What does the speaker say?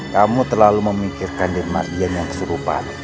kamu terlalu memikirkan dengan mardian yang kesurupan